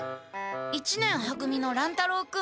一年は組の乱太郎君。